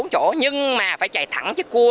bốn chỗ nhưng mà phải chạy thẳng chứ cua